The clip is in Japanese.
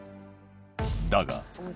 だが。